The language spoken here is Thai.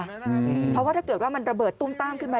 เพราะว่าถ้าเกิดว่ามันระเบิดตุ้มต้ามขึ้นมา